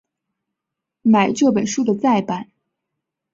买这本书的再版